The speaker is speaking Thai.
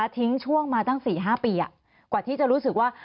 ทิ้งช่วงมาตั้ง๔๕ปีกว่าที่จะรู้สึกว่า